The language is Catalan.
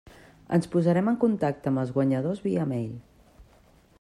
Ens posarem en contacte amb els guanyadors via mail.